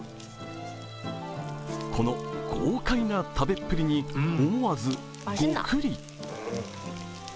この豪快な食べっぷりに思わず、ゴクリ。